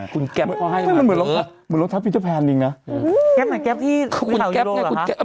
คุณแก๊ปก็ให้มาเถอะคุณแก๊ปคุณข่าวยูโรหรึคะ